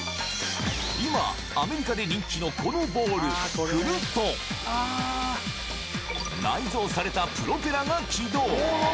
今、アメリカで人気のこのボール、振ると、内蔵されたプロペラが起動。